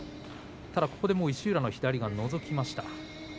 ただ石浦は左がのぞきました。